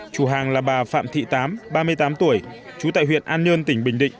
chủ hàng là bà phạm thị tám ba mươi tám tuổi trú tại huyện an nhơn tỉnh bình định